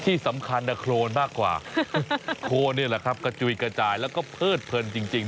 ที่สำคัญนะโครนมากกว่าโครนนี่แหละครับกระจุยกระจายแล้วก็เพิดเพลินจริง